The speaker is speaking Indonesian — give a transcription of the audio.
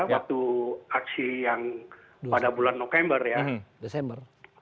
waktu aksi yang pada bulan desember ya